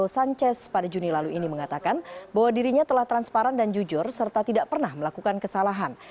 sanchez pada juni lalu ini mengatakan bahwa dirinya telah transparan dan jujur serta tidak pernah melakukan kesalahan